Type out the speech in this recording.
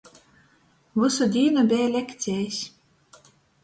Vysu dīnu beja lekcejis.